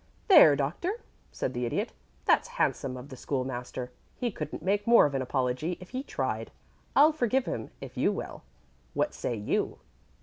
"There, Doctor," said the Idiot; "that's handsome of the School master. He couldn't make more of an apology if he tried. I'll forgive him if you will. What say you?"